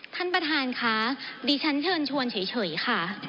ท่านประธานค่ะดิฉันเชิญชวนเฉยค่ะ